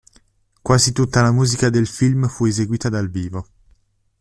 Quasi tutta la musica del film fu eseguita dal vivo.